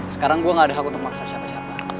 sekarang gue gak ada hak untuk memaksa siapa siapa